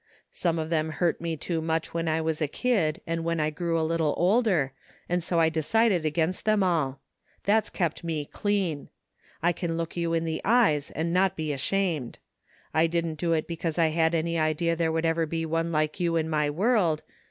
Some of them hurt me too much when I was a kid, and when I grew a little older, and so I decided against them all. That's kept me clean. I can look you in the eyes and not be ashamed. I didn't do it because I had any idea there would ever be one like you in my world.